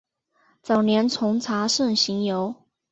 早年从查慎行游。